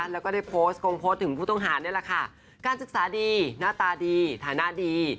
แล้วก็ได้โพสต์คงโพสต์ถึงผู้ต้องหานี่แหละค่ะการศึกษาดีหน้าตาดีฐานะดี